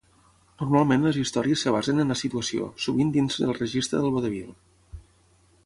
Normalment les històries es basen en la situació, sovint dins del registre del vodevil.